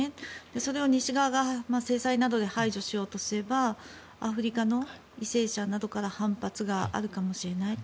それを西側が制裁などで排除しようとすればアフリカの為政者などから反発があるかもしれない。